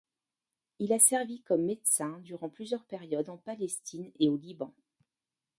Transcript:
Il a servi comme médecin durant plusieurs périodes en Palestine et au Liban.